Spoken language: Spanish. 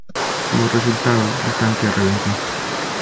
Como resultado, el tanque reventó.